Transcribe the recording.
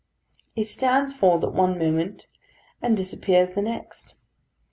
It stands forth at one moment and disappears the next.